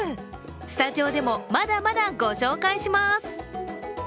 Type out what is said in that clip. スタジオでもまだまだご紹介します。